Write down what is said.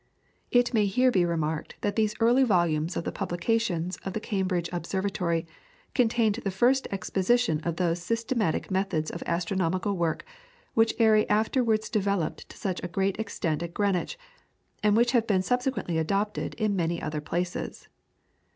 It may here be remarked that these early volumes of the publications of the Cambridge Observatory contained the first exposition of those systematic methods of astronomical work which Airy afterwards developed to such a great extent at Greenwich, and which have been subsequently adopted in many other places.